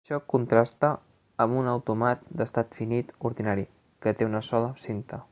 Això contrasta amb un autòmat d'estat finit ordinari, que té una sola cinta.